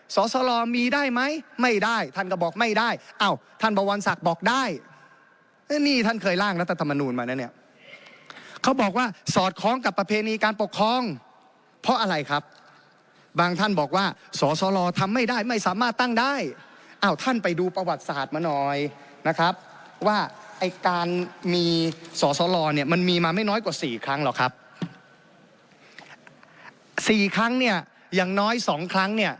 สอสลมีได้ไหมไม่ได้ท่านก็บอกไม่ได้อ้าวท่านบวรศักดิ์บอกได้นี่ท่านเคยร่างรัฐธรรมนูลมานะเนี่ยเขาบอกว่าสอดคล้องกับประเพณีการปกครองเพราะอะไรครับบางท่านบอกว่าสอสลทำไม่ได้ไม่สามารถตั้งได้อ้าวท่านไปดูประวัติศาสตร์มาหน่อยนะครับว่าไอ้การมีสอสลเนี่ยมันมีมาไม่น้อยกว่าสี่ครั้งหรอกครับสี่ครั้งเนี่ยอย่างน้อยสองครั้งเนี่ย